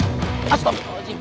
demam masih ada orangnya kali